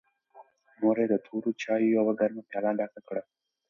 مور یې د تورو چایو یوه ګرمه پیاله ډکه کړه.